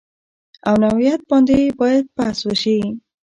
او نوعیت باندې باید بحث وشي